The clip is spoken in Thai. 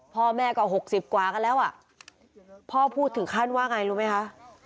พ่อแม่ก็๖๐กว่ากันแล้วอ่ะพ่อพูดถึงขั้นว่าไงรู้ไหมคะ